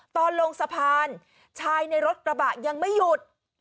ตอนลงสะพานชายในรถกระบะยังไม่หยุด